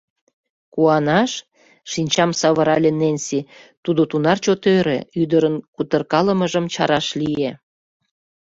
— Куанаш? — шинчам савырале Ненси, тудо тунар чот ӧрӧ, ӱдырын кутыркалымыжым чараш лие.